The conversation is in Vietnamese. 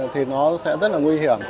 thì nó sẽ rất là nguy hiểm